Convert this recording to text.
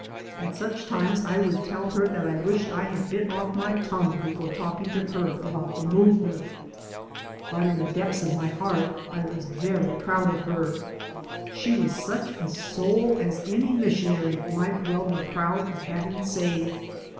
At such times I would tell her that I wished I had bit oflf my tongue before talking to her about the Movement. But in the depths of my heart I was very proud of her. She was such a soul as any missionary might well be proud of having saved.